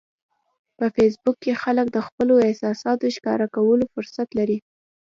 په فېسبوک کې خلک د خپلو احساساتو ښکاره کولو فرصت لري